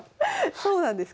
そうなんですか。